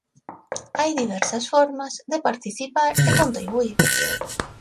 Hai diversas formas de participar e contribuír.